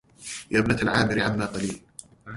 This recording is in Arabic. يا ابنة العامري عما قليل